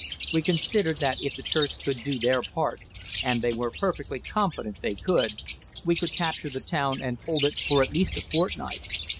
We considered that if the Turks could do their part and they were perfectly confident they could we could capture the town and hold it for at least a fortnight.